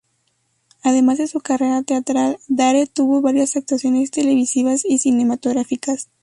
Además de su carrera teatral, Dare tuvo varias actuaciones televisivas y cinematográficas.